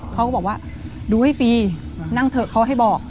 เขาก็บอกว่าดูให้ฟรีนั่งเถอะเขาให้บอก